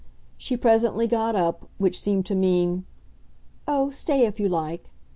She presently got up which seemed to mean "Oh, stay if you like!"